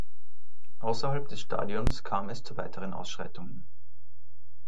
Außerhalb des Stadions kam es zu weiteren Ausschreitungen.